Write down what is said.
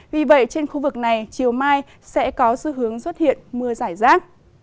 vì vậy trên khu vực này chiều mai sẽ có dư hướng xuất hiện mưa rải rác